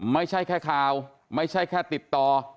ไม่ใช่แค่ข่าวไม่ใช่แค่ติดต่อ